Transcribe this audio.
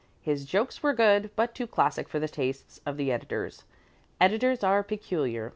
His jokes were good, but too classic for the tastes of the editors. Editors are peculiar.